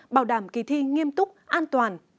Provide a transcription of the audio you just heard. bảo đảm kỳ thi nghiêm túc an toàn